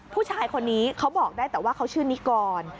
ผู้ชายคนนี้เขาบอกได้แต่ว่าเขาชื่อนิกร